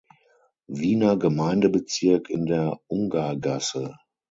Wiener Gemeindebezirk in der Ungargasse.